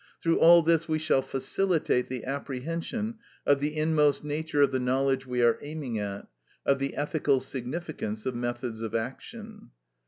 Through all this we shall facilitate the apprehension of the inmost nature of the knowledge we are aiming at, of the ethical significance of methods of action.